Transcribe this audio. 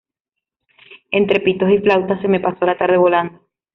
Entre pitos y flautas se me pasó la tarde volando